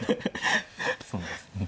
そうですね。